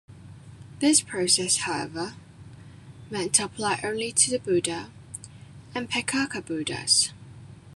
This process however, meant to apply only to the Buddha and Peccaka buddhas.